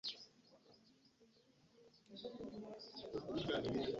Lya ensigo zensujju obuterabira.